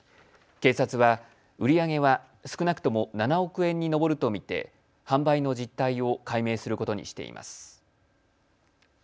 警察は売り上げは少なくとも７億円に上ると見て販売の実態を解明することにしています。